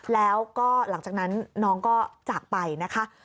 แล้วก็หลังจากนั้นน้องก็จากไปนะคะ